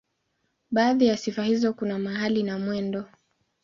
Baadhi ya sifa hizo kuna mahali na mwendo.